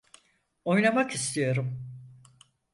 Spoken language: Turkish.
Oynamak istiyorum.